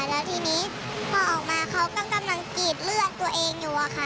แล้วทีนี้พอออกมาเขาก็กำลังกรีดเลือดตัวเองอยู่อะค่ะ